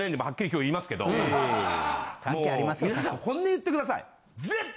もう皆さん本音いってください。